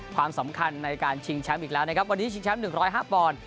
ความสำคัญในการชิงแชมป์อีกแล้วนะครับวันนี้ชิงแชมป์๑๐๕ปอนด์